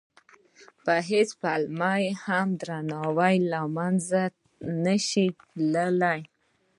په هېڅ پلمه هم درناوی له منځه نه شي تللی.